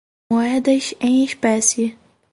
Moedas em espécie